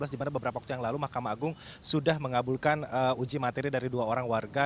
di mana beberapa waktu yang lalu mahkamah agung sudah mengabulkan uji materi dari dua orang warga